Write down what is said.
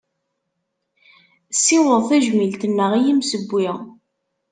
Ssiweḍ tajmilt-nneɣ i yimsewwi.